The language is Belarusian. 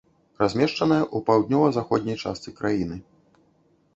Размешчаная ў паўднёва-заходняй частцы краіны.